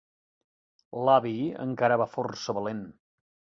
L'avi encara va força valent.